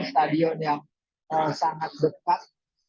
stadion yang sangat dekat